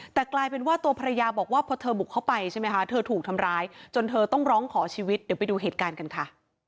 แต่กลายเป็นว่าตัวภรรยาบอกว่าพอเธอบุกเข้าไปใช่ไหมคะเธอถูกทำร้ายจนเธอต้องร้องขอชีวิตเดี๋ยวไปดูเหตุการณ์กันค่ะ